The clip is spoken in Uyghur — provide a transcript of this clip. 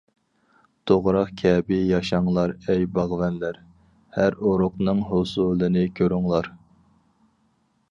توغراق كەبى ياشاڭلار ئەي باغۋەنلەر، ھەر ئۇرۇقنىڭ ھوسۇلىنى كۆرۈڭلار.